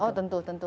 oh tentu tentu